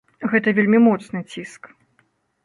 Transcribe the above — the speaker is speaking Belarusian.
Гэта вельмі моцны ціск.